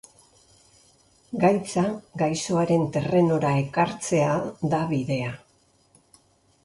Gaitza gaixoaren terrenora ekartzea da bidea.